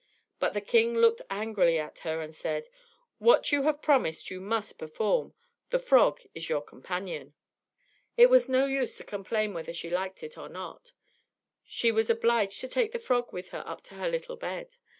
But the king looked angrily at her, and said again: "What you have promised you must perform. The frog is your companion." It was no use to complain whether she liked it or not; she was obliged to take the frog with her up to her little bed.